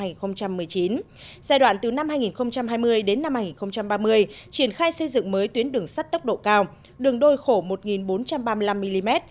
giai đoạn từ năm hai nghìn hai mươi đến năm hai nghìn ba mươi triển khai xây dựng mới tuyến đường sắt tốc độ cao đường đôi khổ một bốn trăm ba mươi năm mm